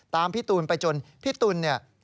พี่ตูนไปจนพี่ตูนเนี่ย